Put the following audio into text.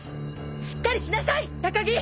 しっかりしなさい高木。